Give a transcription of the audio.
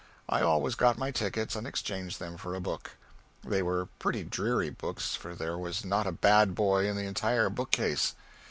I always got my tickets and exchanged them for a book. They were pretty dreary books, for there was not a bad boy in the entire bookcase.